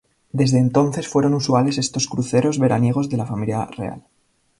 Desde entonces fueron usuales estos cruceros veraniegos de la familia real.